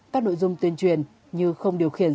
các nội dung tuyên truyền như không điều khiển